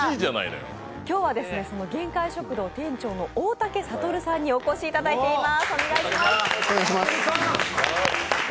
今日はそのげんかい食堂店長の大嶽覚さんにお越しいただいています。